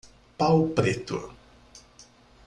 Pau preto